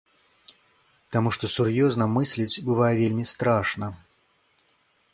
Таму што сур'ёзна мысліць бывае вельмі страшна.